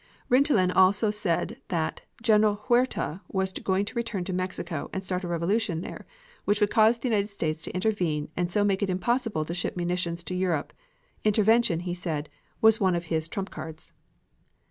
Rintelen also said that "General Huerta was going to return to Mexico and start a revolution there which would cause the United States to intervene and so make it impossible to ship munitions to Europe. Intervention," he said, "was one of his trump cards."